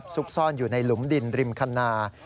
ซุกซ่อนอยู่ในหลุมดินริมคณา